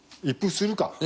一服するか。